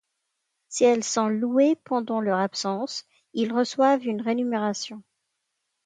Si elles sont louées pendant leur absence, ils reçoivent une rémunération.